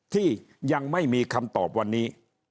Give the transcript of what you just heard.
ที่ยังไม่มีคำตอบวันนี้